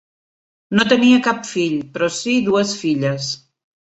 No tenia cap fill, però sí dues filles.